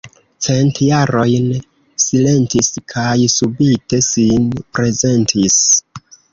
Cent jarojn silentis kaj subite sin prezentis.